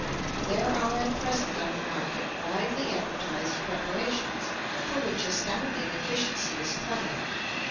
There are at present on the market widely advertised preparations for which astounding efficiency is claimed.